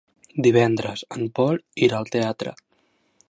Divendres en Pol irà al teatre.